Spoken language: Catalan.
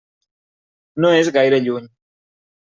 No és gaire lluny.